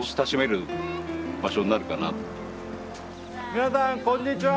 みなさんこんにちは。